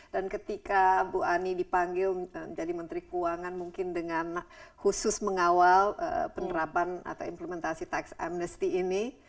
dan ketika bu ani dipanggil menjadi menteri keuangan mungkin dengan khusus mengawal penerapan atau implementasi tax amnesty ini